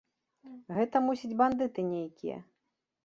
Гэта, мусіць, бандыты нейкія.